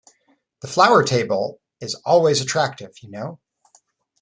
The flower-table is always attractive, you know.